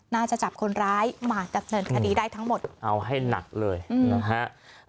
น่าจะจับคนร้ายมาดำเนินคดีได้ทั้งหมดเอาให้หนักเลยนะฮะ